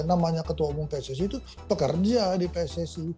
namanya ketua umum pssi itu pekerja di pssi